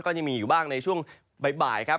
ก็ยังมีอยู่บ้างในช่วงบ่ายครับ